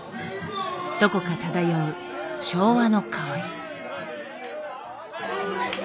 どこか漂う昭和の薫り。